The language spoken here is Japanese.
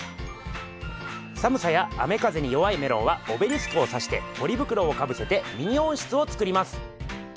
寒さや雨風に弱いメロンはオベリスクをさしてポリ袋をかぶせてミニ温室を作ります。